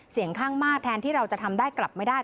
เสียงข้างมากแทนที่เราจะทำได้กลับไม่ได้